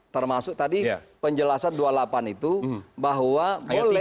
termasuk tadi penjelasan dua puluh delapan itu bahwa boleh